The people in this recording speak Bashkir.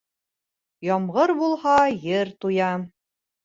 Ямғыр булһа, ер туя